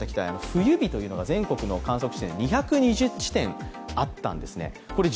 冬日というのが全国の観測地点２２０地点あったんですね。